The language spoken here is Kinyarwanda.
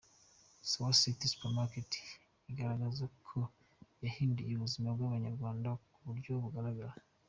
Sawa citi Supermarket igaragaza ko yahinduye ubuzima bw’Abanyarwanda ku buryo bugaragara.